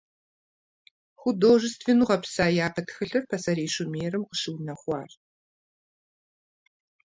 Художественнэу гъэпса япэ тхылъыр Пасэрей Шумерым къыщыунэхуащ.